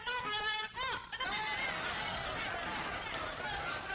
penjara penuh orang orang aku